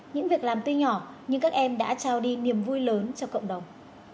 những việc làm tuy nhỏ nhưng các em đã trao đi niềm vui lớn cho cộng đồng